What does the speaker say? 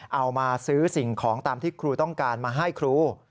เอามาซื้อสิ่งของตามที่ครูต้องการมาให้ครู